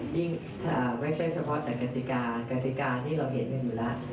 ไม่ใช่เฉพาะแต่กติกากติกาที่เราเห็นกันอยู่แล้ว